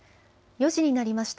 ４時になりました。